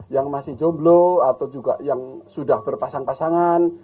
yang masih jomblo atau juga yang sudah berpasang pasangan